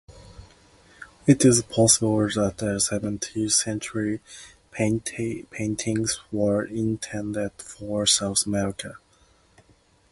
It is possible that the seventeenth century paintings were intended for South America.